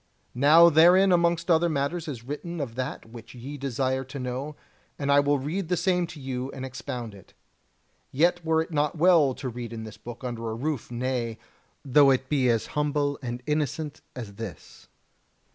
Now herein amongst other matters is written of that which ye desire to know, and I will read the same to you and expound it. Yet were it not well to read in this book under a roof, nay, though it be as humble and innocent as this.